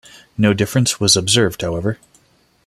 No difference was observed, however.